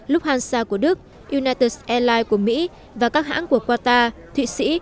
lufthansa của đức united airlines của mỹ và các hãng của qatar thụy sĩ